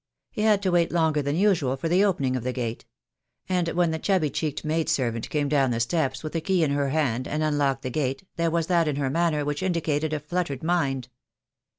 He had to wait longer than usual for the opening of the gate; and when the chubby cheeked maid servant came down the steps with a key in her hand and unlocked the gate there was that in her manner which indicated a fluttered mind.